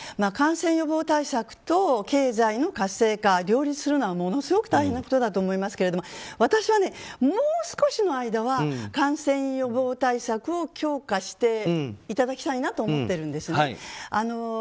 感染予防対策と経済の活性化を両立するのはものすごく大変なことだと思いますけれども私はもう少しの間は感染予防対策を強化していただきたいなと思ってるんです。